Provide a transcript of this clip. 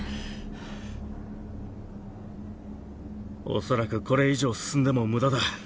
おそらくこれ以上進んでも無駄だ。